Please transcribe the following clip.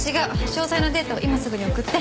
詳細なデータを今すぐに送って！